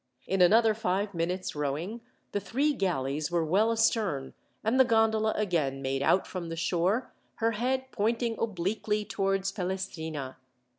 In another five minutes' rowing, the three galleys were well astern, and the gondola again made out from the shore, her head pointing obliquely towards Pelestrina.